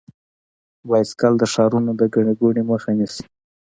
بایسکل د ښارونو د ګڼې ګوڼې مخه نیسي.